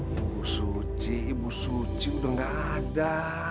ibu suci ibu suci udah gak ada